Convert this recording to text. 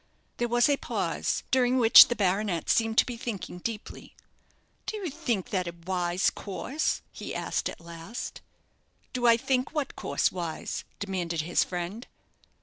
There was a pause, during which the baronet seemed to be thinking deeply. "Do you think that a wise course?" he asked, at last. "Do I think what course wise?" demanded his friend.